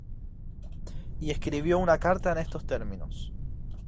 Y escribió una carta en estos términos: